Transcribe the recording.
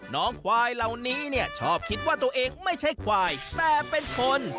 น้องควายเหล่านี้เนี่ยชอบคิดว่าตัวเองไม่ใช่ควายแต่เป็นคน